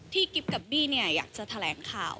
ที่กิฟต์กับบี้เนี่ยอยากจะแถลงข่าว